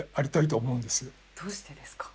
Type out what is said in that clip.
どうしてですか？